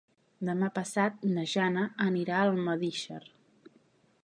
Demà passat na Jana anirà a Almedíxer.